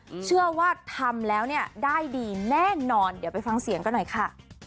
เชื่อว่าทำแล้วเนี่ยได้ดีแน่นอนเดี๋ยวไปฟังเสียงกันหน่อยค่ะ